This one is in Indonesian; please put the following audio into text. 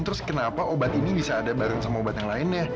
terus kenapa obat ini bisa ada bareng sama obat yang lainnya